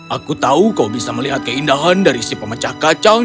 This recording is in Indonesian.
aku tahu kau bisa melihat keindahan dari si pemecah kacang